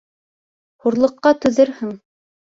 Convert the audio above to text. Хурлыҡҡа түҙерһең.